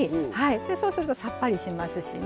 そうすると、さっぱりしますしね。